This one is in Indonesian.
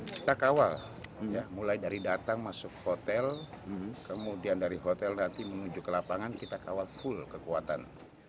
kita kawal mulai dari datang masuk hotel kemudian dari hotel nanti menuju ke lapangan kita kawal full kekuatan